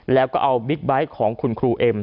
แล้วก็เอาบิ๊กไบท์ของคุณครูเอ็ม